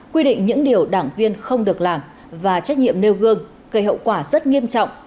quy định những điều đảng viên không được làm và trách nhiệm nêu gương gây hậu quả rất nghiêm trọng